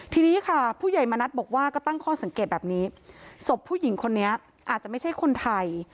ทีนี้ค่ะผู้ใหญ่มณัฐบอกว่าก็ตั้งข้อสังเกตแบบนี้ศพผู้หญิงคนนี้อาจจะไม่ใช่คนไทย